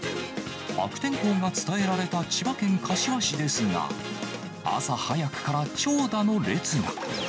悪天候が伝えられた千葉県柏市ですが、朝早くから長蛇の列が。